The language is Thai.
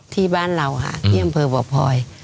ที่บ้านเราค่ะที่อำเภอบ่อพลอย